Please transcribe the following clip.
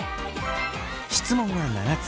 質問は７つ。